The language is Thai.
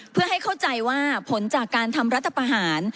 เพื่อให้เข้าใจว่าผลจากการทำรัฐประหาร